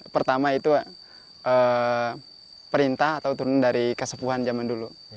pertama itu perintah atau turun dari kesepuhan zaman dulu